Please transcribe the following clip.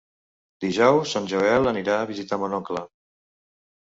Dijous en Joel anirà a visitar mon oncle.